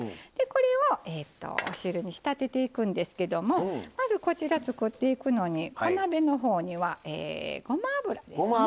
これをお汁に仕立てていくんですけどもまずこちら作っていくのにお鍋のほうにはごま油ですね。